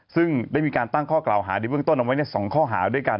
ซึ่งได้มีการตั้งข้อกล่าวหาในเบื้องต้นเอาไว้ใน๒ข้อหาด้วยกัน